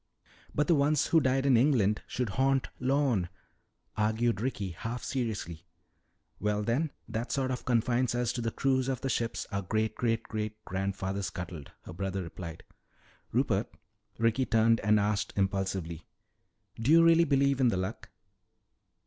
"But the ones who died in England should haunt Lorne," argued Ricky, half seriously. "Well then, that sort of confines us to the crews of the ships our great great great grandfather scuttled," her brother replied. "Rupert," Ricky turned and asked impulsively, "do you really believe in the Luck?"